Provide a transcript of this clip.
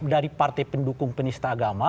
dari partai pendukung penista agama